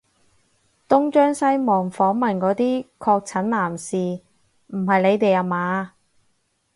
東張西望訪問嗰啲確診男士唔係你哋吖嘛？